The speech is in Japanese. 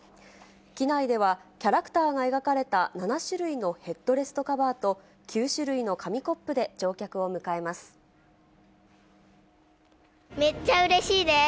機内ではキャラクターが描かれた７種類のヘッドレストカバーと、９種類の紙コップで乗客を迎えます。